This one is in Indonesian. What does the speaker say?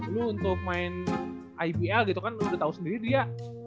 lu untuk main ibl gitu kan lu udah tahu sendiri dia